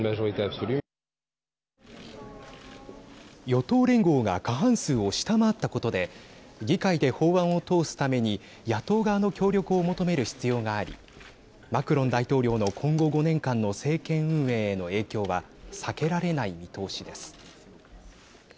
与党連合が過半数を下回ったことで議会で法案を通すために野党側の協力を求める必要がありマクロン大統領の今後５年間の政権運営への影響は避けられない見通しです。